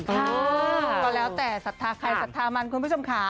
อ๋อก็แล้วแต่สัตว์ทางใครสัตว์ทางมันคุณผู้ชมค่ะ